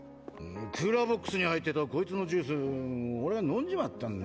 クーラーボックスに入ってたコイツのジュース俺が飲んじまったんだ。